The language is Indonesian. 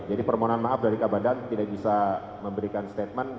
jadi permohonan maaf dari kak badan tidak bisa memberikan statement